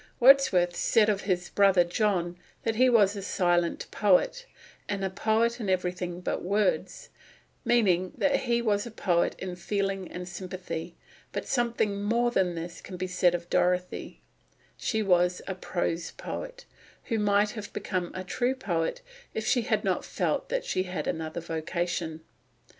Wordsworth said of his brother John that he was "a silent poet," and "a poet in everything but words," meaning that he was a poet in feeling and sympathy; but something more than this can be said of Dorothy; she was a prose poet, who might have become a true poet, if she had not felt that she had another vocation.